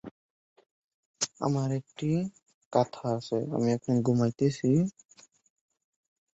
এভাবেই পরগণাসমূহের বিভিন্ন দলিলে একাধিক ফৌজদারের নাম পাওয়া যায়।